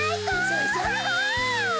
それそれ！